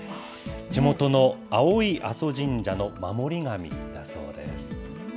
地元の青井阿蘇神社の守り神だそうです。